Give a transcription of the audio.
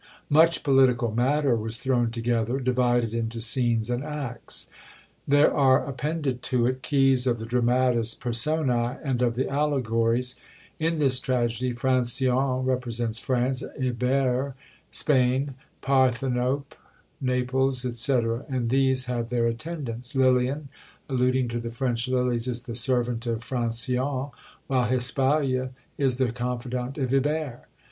Much political matter was thrown together, divided into scenes and acts. There are appended to it keys of the dramatis personæ and of the allegories. In this tragedy Francion represents France; Ibere, Spain; Parthenope, Naples, &c. and these have their attendants: Lilian (alluding to the French lilies) is the servant of Francion, while Hispale is the confidant of Ibere.